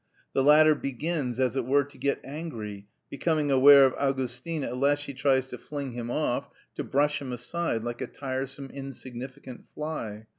The latter begins, as it were, to get angry; becoming aware of Augustin at last she tries to fling him off, to brush him aside like a tiresome insignificant fly.